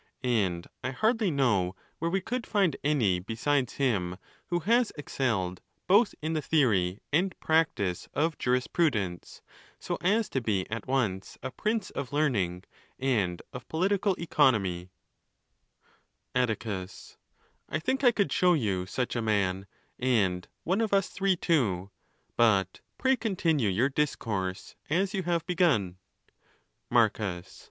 And I hardly know where we could find any besides him, who has excelled both in the theory and practice of juris prudence, so as to be at once a prince of learning and of political economy, HH 2 468 ON THE LAWS, VII. Atticus.—I think I could show you such a man, and one of us three too; but pray continue your discourse, as you have begun, Marcus.